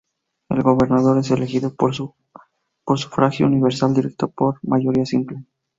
El gobernador es elegido por sufragio universal directo por mayoría simple.